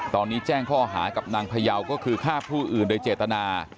ตอนนี้แจ้งข้อหากับนางพยาวก็คือฆ่าผู้อื่นโดยเจตนา